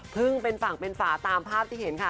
เป็นฝั่งเป็นฝาตามภาพที่เห็นค่ะ